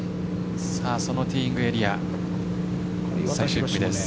そのティーイングエリア最終組です。